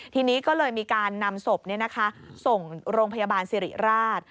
ทีนี้ก็เลยมีการนำศพส่งโรงพยาบาลสิริราช